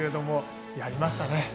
やりましたね